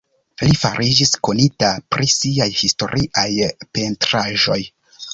Li fariĝis konita pri siaj historiaj pentraĵoj.